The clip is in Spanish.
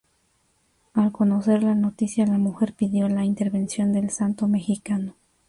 Al conocer la noticia, la mujer pidió la intervención del santo mexicano.